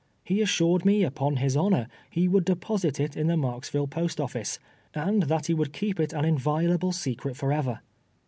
He assured me, upon his honor, he would deposit it in the Marksville post ofiice, and that he would keep it an inviolable secret forever.